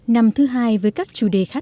năm thứ hai với các chủ đề khác